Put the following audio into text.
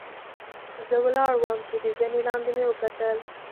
زۀ ولاړ ووم چې د زنې لاندې مې وکتل